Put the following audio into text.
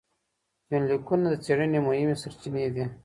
يونليکونه د څېړنې مهمې سرچينې دي.